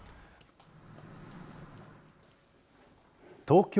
東京